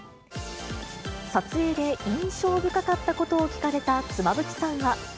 撮影で印象深かったことを聞かれた妻夫木さんは。